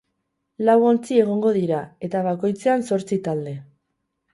Lau ontzi egongo dira, eta bakoitzean zortzi talde.